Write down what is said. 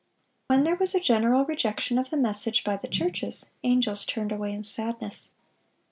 When there was a general rejection of the message by the churches, angels turned away in sadness.